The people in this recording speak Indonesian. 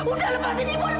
udah lepasin ibu lepasin